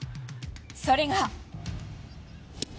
それが。